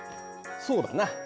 そうだな。